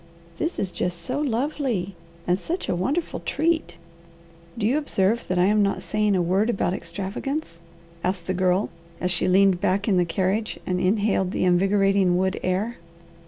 "This is just so lovely, and such a wonderful treat, do you observe that I'm not saying a word about extravagance?" asked the Girl, as she leaned back in the carriage and inhaled the invigorating wood air.